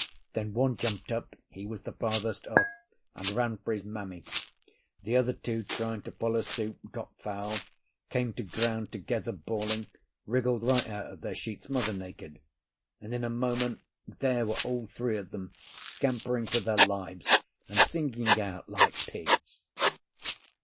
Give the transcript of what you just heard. Then one jumped up (he was the farthest off) and ran for his mammy. The other two, trying to follow suit, got foul, came to ground together bawling, wriggled right out of their sheets mother naked, and in a moment there were all three of them scampering for their lives and singing out like pigs.